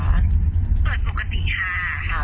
เปิดปกติป่ะคะ